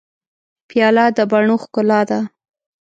پیاله د بڼو ښکلا ده.